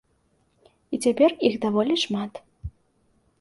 І цяпер іх даволі шмат.